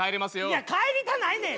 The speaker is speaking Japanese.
いや帰りたないねん！